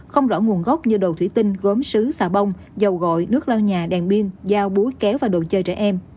không rõ nguồn gốc như đồ thủy tinh gốm xứ xà bông dầu gội nước lau nhà đèn pin dao búi kéo và đồ chơi trẻ em